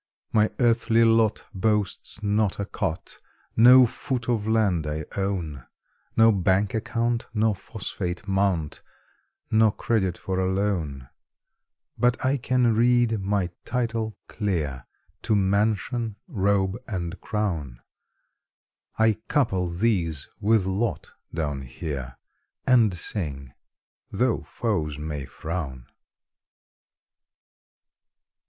My earthly lot boasts not a cot, No foot of land I own, No bank account nor phosphate mount, Nor credit for a loan; But I can read my title clear To mansion, robe, and crown; I couple these with lot down here, And sing, tho' foes may frown.